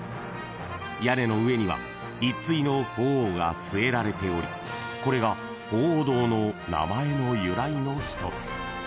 ［屋根の上には１対の鳳凰が据えられておりこれが鳳凰堂の名前の由来の一つ］